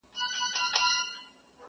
په هر قتل هر آفت کي به دى ياد وو!!